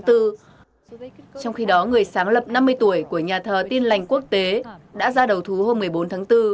trong khi đó người sáng lập năm mươi tuổi của nhà thờ tin lành quốc tế đã ra đầu thú hôm một mươi bốn tháng bốn